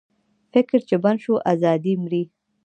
فکر چې بند شو، ازادي مري.